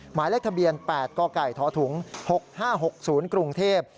หมายเลขทะเบียน๘กกทถุง๖๕๖๐กรุงเทพฯ